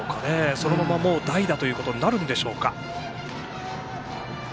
そのまま、代打ということになるんでしょうか。